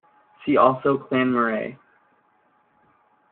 See also Clan Murray.